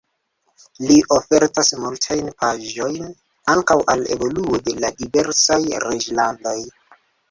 Li ofertas multajn paĝojn ankaŭ al evoluo de la diversaj reĝlandoj.